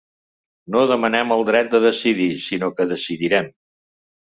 No demanem el dret de decidir, sinó que decidirem.